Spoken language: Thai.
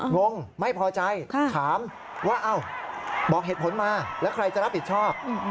งงไม่พอใจถามว่าอ้าวบอกเหตุผลมาแล้วใครจะรับผิดชอบ